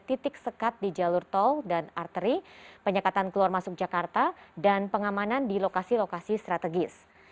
titik sekat di jalur tol dan arteri penyekatan keluar masuk jakarta dan pengamanan di lokasi lokasi strategis